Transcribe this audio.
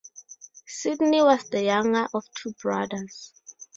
Sydney was the younger of two brothers.